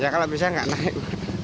ya kalau bisa nggak naik